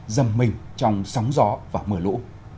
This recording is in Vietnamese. dầm mình trong sóng gió và mưa lũ